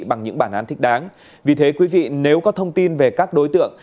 bằng những bản án thích đáng vì thế quý vị nếu có thông tin về các đối tượng